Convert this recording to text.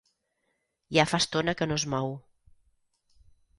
Ja fa estona que no es mou.